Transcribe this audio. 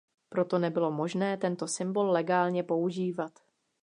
Proto nebylo možné tento symbol legálně používat.